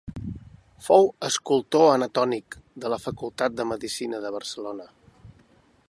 Fou escultor anatòmic de la Facultat de Medicina de Barcelona.